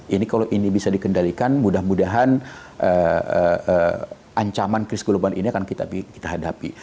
ini kalau ini bisa dikendalikan mudah mudahan ancaman krisis global ini akan kita hadapi